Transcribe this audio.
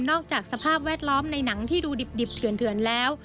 จากสภาพแวดล้อมในหนังที่ดูดิบเถื่อนแล้ว